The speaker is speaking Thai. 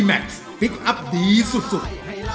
หรือไหววังฟ้าจะมาเยี่ยมจริง